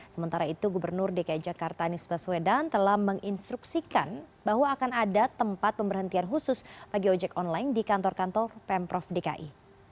sementara itu gubernur dki jakarta anies baswedan telah menginstruksikan bahwa akan ada tempat pemberhentian khusus bagi ojek online di kantor kantor pemprov dki